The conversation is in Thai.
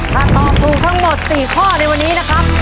ถ้าตอบถูกทั้งหมด๔ข้อในวันนี้นะครับ